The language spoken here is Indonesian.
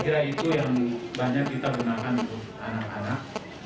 saya kira itu yang banyak kita gunakan untuk anak anak